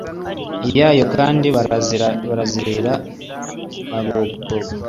yayo kandi bazarira baboroge